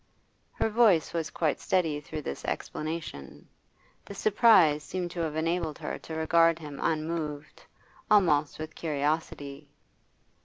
Her voice was quite steady through this explanation. The surprise seemed to have enabled her to regard him unmoved, almost with curiosity.